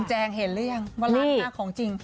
แจงเห็นหรือยังว่าร้านหน้าของจริง